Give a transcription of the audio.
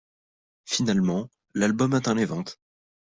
Finalement, l'album atteint les ventes.